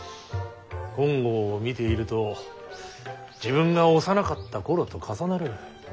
金剛を見ていると自分が幼かった頃と重なる。